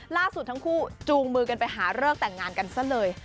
ล่าสุดทั้งคู่จูงมือกันไปหาเลิกแต่งงานกันซะเลย